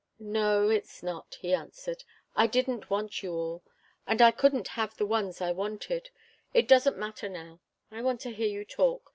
"No; it's not," he answered. "I didn't want you all, and I couldn't have the ones I wanted. It doesn't matter now. I want to hear you talk.